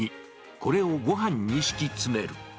これをごはんに敷き詰める。